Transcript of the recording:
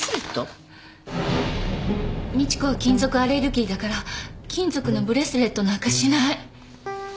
美知子は金属アレルギーだから金属のブレスレットなんかしない。